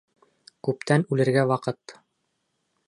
Күптән үлергә ваҡыт!